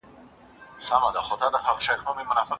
حسن رضوي پوښتنه کوله چي تاسي نن سبا څه کار کوئ؟